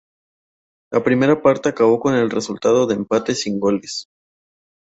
La primera parte acabó con el resultado de empate sin goles.